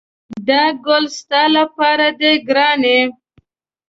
دا ګل ستا لپاره دی ګرانې!